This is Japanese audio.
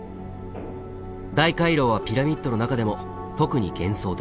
大回廊はピラミッドの中でも特に幻想的。